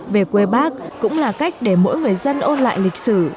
về quê bác cũng là cách để mỗi người dân ôn lại lịch sử